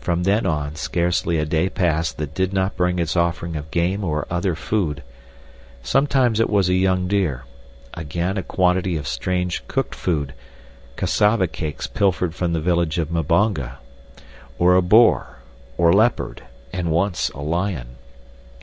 From then on scarcely a day passed that did not bring its offering of game or other food. Sometimes it was a young deer, again a quantity of strange, cooked food—cassava cakes pilfered from the village of Mbonga—or a boar, or leopard, and once a lion.